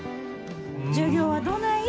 授業はどない？